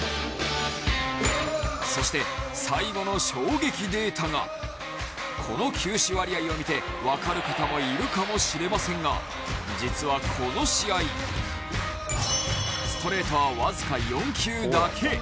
そして最後の衝撃データがこの球種割合を見て分かる方もいるかもしれませんが実は、この試合ストレートはわずか４球だけ。